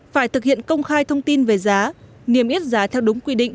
phải thực hiện công khai thông tin về giá niêm yết giá theo đúng quy định